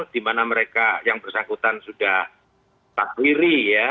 di mana mereka yang bersangkutan sudah takfiri ya